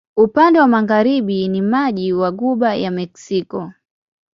Upande wa magharibi ni maji wa Ghuba ya Meksiko.